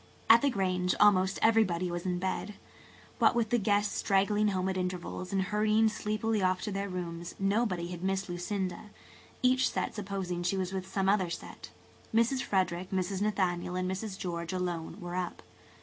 At the Grange almost everybody was in bed. What with the guests straggling home at intervals and hurrying sleepily off to their rooms, nobody had missed Lucinda, each set supposing she was with some other set. Mrs. Frederick, Mrs. Nathaniel and Mrs. George alone were up.